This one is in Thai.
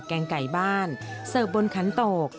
แกงไก่บ้านเสิร์ฟบนขันโตก